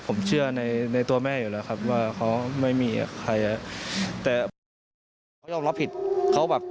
ผมเชื่อในตัวแม่อยู่แล้วครับ